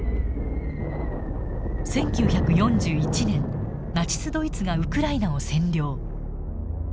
１９４１年ナチスドイツがウクライナを占領。